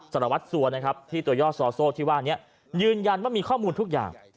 สารวัตรสัวนะครับที่ตัวย่อซอโซ่ที่ว่านี้ยืนยันว่ามีข้อมูลทุกอย่าง